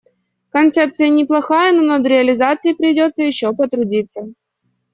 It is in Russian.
Концепция неплохая, но над реализацией придётся ещё потрудиться.